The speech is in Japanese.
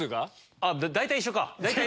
あっ大体一緒か。